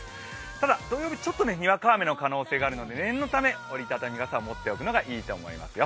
ただ、土曜日、ちょっとにわか雨の可能性があるので折り畳み傘を持っておくのがいいと思いますよ。